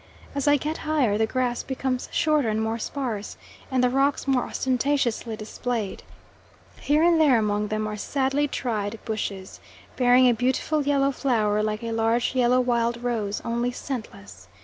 As I get higher, the grass becomes shorter and more sparse, and the rocks more ostentatiously displayed. Here and there among them are sadly tried bushes, bearing a beautiful yellow flower, like a large yellow wild rose, only scentless.